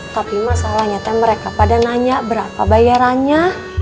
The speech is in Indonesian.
tapi masalahnya teh mereka pada nanya berapa bayarannya